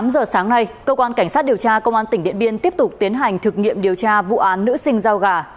tám giờ sáng nay cơ quan cảnh sát điều tra công an tỉnh điện biên tiếp tục tiến hành thực nghiệm điều tra vụ án nữ sinh giao gà